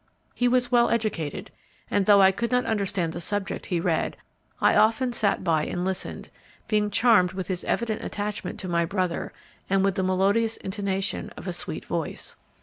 He was well educated, and though I could not understand the subject he read, I often sat by and listened, being charmed with his evident attachment to my brother and with the melodious intonation of a sweet voice.